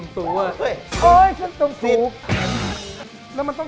น้ำปลา